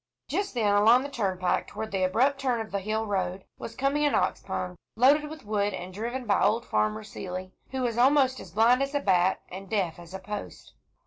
Just then, along the turnpike toward the abrupt turn of the hill road, was coming an ox pung, loaded with wood, and driven by old Farmer Seeley, who was almost as blind as a bat and deaf as a post.